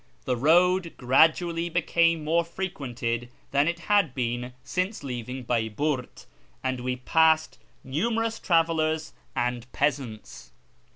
The road gradually became more frequented than it had been since leaving Baiburt, and we passed numerous travellers and peasants.